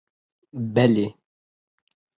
Belê.